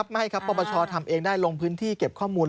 ไม่ให้ครับปปชทำเองได้ลงพื้นที่เก็บข้อมูล